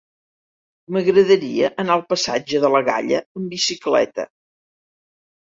M'agradaria anar al passatge de la Galla amb bicicleta.